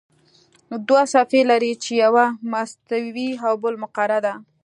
دوه صفحې لري چې یوه مستوي او بله مقعره ده.